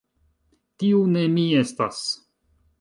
Tiu ne mi estas!